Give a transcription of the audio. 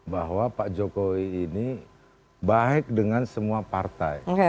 bahwa pak jokowi ini baik dengan semua partai